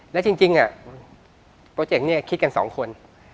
และจริงโปรเจกต์นี้คิดกัน๒คน